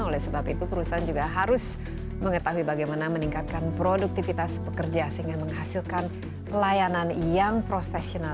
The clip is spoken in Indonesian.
oleh sebab itu perusahaan juga harus mengetahui bagaimana meningkatkan produktivitas pekerja sehingga menghasilkan pelayanan yang profesional